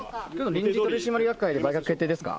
臨時取締役会で売却決定ですか？